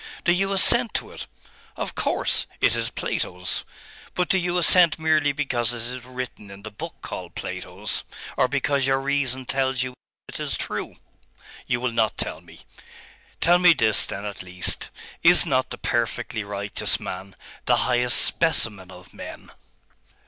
Do you assent to it?' 'Of course it is Plato's.' 'But do you assent merely because it is written in the book called Plato's, or because your reason tells you that it is true?.... You will not tell me. Tell me this, then, at least. Is not the perfectly righteous man the highest specimen of men?